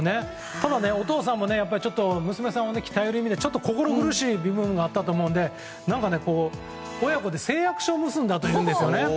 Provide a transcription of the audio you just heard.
ただ、お父さんもちょっと娘さんを鍛える意味で心苦しい部分があったと思うので親子で誓約書を結んだというんですね。